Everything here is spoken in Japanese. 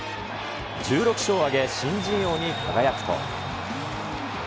１６勝を挙げ、新人王に輝くと。